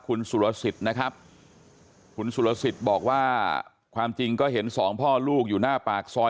คุณสุรสิทธิ์นะครับคุณสุรสิทธิ์บอกว่าความจริงก็เห็นสองพ่อลูกอยู่หน้าปากซอย